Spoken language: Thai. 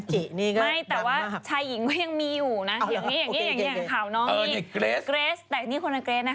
คนที่ที่จะจับผู้กันนะ